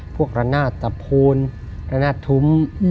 พวกรันหน้าตะโพนรันหน้าถุ้ม